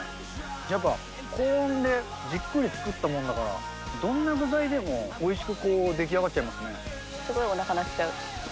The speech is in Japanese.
やっぱ高温でじっくり作ったもんだから、どんな具材でもおいしくすごいおなか鳴っちゃう。